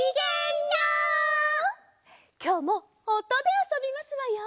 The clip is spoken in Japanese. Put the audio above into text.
きょうもおとであそびますわよ。